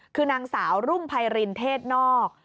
คือนางสาวรุ่งไพรินเทศนอก